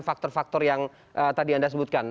faktor faktor yang tadi anda sebutkan